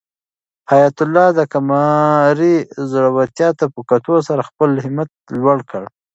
حیات الله د قمرۍ زړورتیا ته په کتو سره خپل همت لوړ کړ.